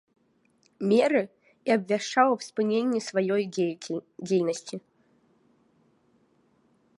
Меры, і абвяшчаў аб спыненне сваёй дзейнасці.